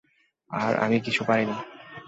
আর আমি কখনো পারিনি।